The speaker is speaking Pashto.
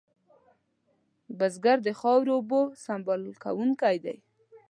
بزګر د خاورو اوبو سنبالونکی دی